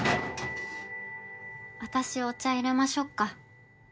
私お茶いれましょうか。